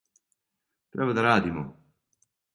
Треба да радимо.